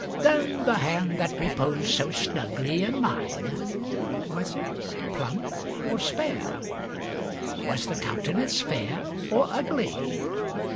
Then the hand that reposŌĆÖd so snugly In mine, ŌĆöwas it plump or spare? Was the countenance fair or ugly?